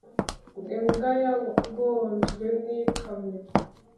imbwa yagonzwe n'ikamyo